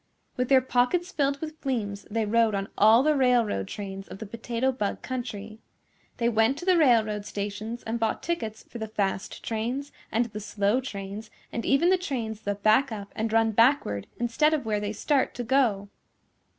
With their pockets filled with fleems they rode on all the railroad trains of the Potato Bug Country. They went to the railroad stations and bought tickets for the fast trains and the slow trains and even the trains that back up and run backward instead of where they start to go.